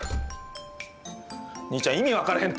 兄ちゃん意味分からへん